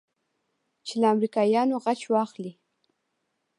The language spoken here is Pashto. چې له امريکايانو غچ واخلې.